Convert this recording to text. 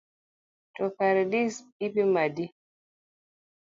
To kare dis ipimo nade?